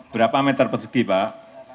berapa meter persegi pak